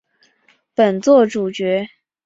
本作主角。